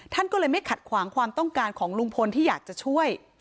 ท่านก็เลยไม่ขัดขวางความต้องการของลุงพลที่อยากจะช่วย